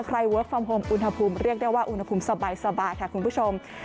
เวิร์คฟอร์มโฮมอุณหภูมิเรียกได้ว่าอุณหภูมิสบายค่ะคุณผู้ชม